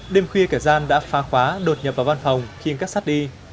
đêm khuya cả gian đã phá khóa đột nhập vào văn phòng khiến kết sát đi